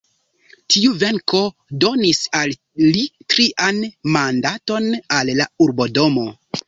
Tiu venko donis al li trian mandaton al la urbodomo.